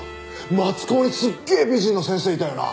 松高にすっげえ美人の先生いたよな？